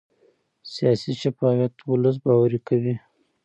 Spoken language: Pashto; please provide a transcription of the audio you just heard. سیاسي شفافیت ولس باوري کوي